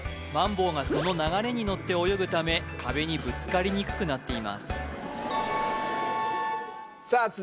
マンボウがその流れにのって泳ぐため壁にぶつかりにくくなっていますさあ